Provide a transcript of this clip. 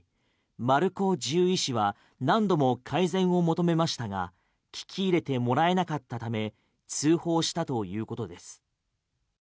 丸子獣医師は何度も改善を求めましたが聞き入れてもらえなかったため通報したということです。